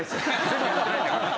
全部やってないんだから。